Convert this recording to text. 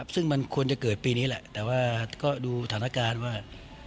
ซึ่งมันควรจะเกิดปีนี้แหละแต่ว่าก็ดูสถานการณ์ว่า